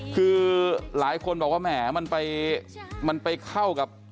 คือหลายคนบอกว่าแหมมันไปมันไปเข้ากับ